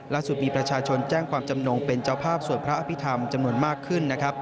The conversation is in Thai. ล่าสุดมีประชาชนแจ้งความจำนงเป็นเจ้าภาพสวดพระอภิษฐรรมจำนวนมากขึ้นนะครับ